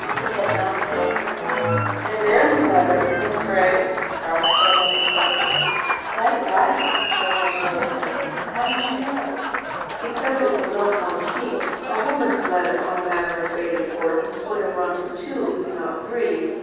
He had not failed her. "A man's letter, Miss Gray," said Garth unexpectedly. "Quite right," said Nurse Rosemary. "How did you know?" "Because it was on one sheet. A woman's letter on a matter of great importance would have run to two, if not three.